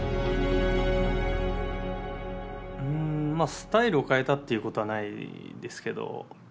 スタイルを変えたっていうことはないですけど。